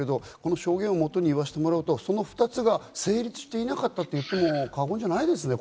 証言をもとに言うとその２つが成立していなかったと言っても過言じゃないですね。